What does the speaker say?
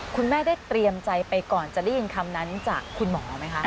คุณแม่ได้เตรียมใจไปก่อนจะได้ยินคำนั้นจากคุณหมอไหมคะ